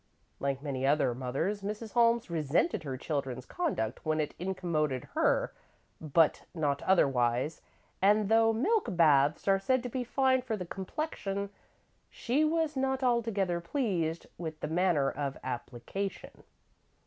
Like many other mothers, Mrs. Holmes resented her children's conduct when it incommoded her, but not otherwise, and though milk baths are said to be fine for the complexion, she was not altogether pleased with the manner of application.